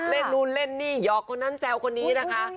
เล่นนู่นเล่นนี่หยอกคนนั้นแซวคนนี้นะคะ